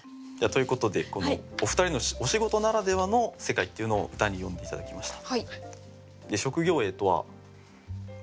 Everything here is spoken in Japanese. ということでお二人のお仕事ならではの世界っていうのを歌に詠んで頂きました。